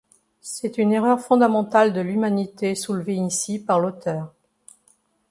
C'est une erreur fondamentale de l'humanité soulevée ici par l'auteur.